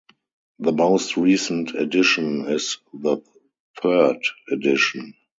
The most recent edition is the third edition.